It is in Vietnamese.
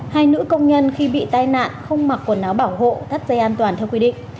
hai nữ công nhân khi bị tai nạn không mặc quần áo bảo hộ thắt dây an toàn theo quy định